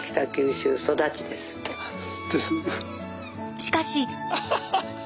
しかし。